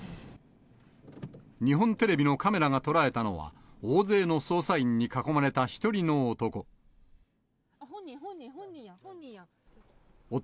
日本テレビのカメラが捉えたのは、大勢の捜査員に囲まれた１人の男。